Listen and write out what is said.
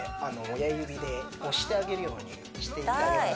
親指で押してあげるようにしていただきます